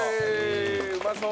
うまそう！